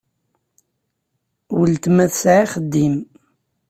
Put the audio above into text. Weltma tesɛa axeddim.